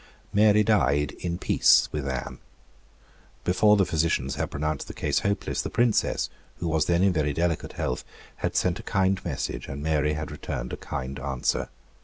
Mary died in peace with Anne. Before the physicians had pronounced the case hopeless, the Princess, who was then in very delicate health, had sent a kind message; and Mary had returned a kind answer.